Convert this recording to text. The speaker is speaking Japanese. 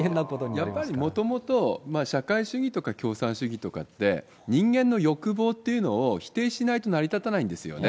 やっぱりもともと、社会主義とか共産主義とかって、人間の欲望っていうのを否定しないと成り立たないんですよね。